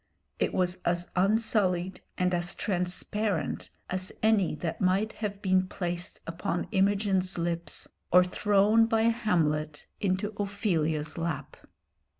It was as unsullied and as transparent as any that might have been placed upon Imogen's lips or thrown by Hamlet into Ophelia's lap.